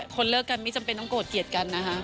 คนเลิกกันไม่จำเป็นต้องโกรธเกลียดกันนะคะ